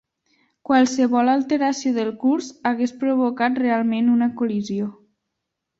Qualsevol alteració del curs hagués provocat realment una col·lisió.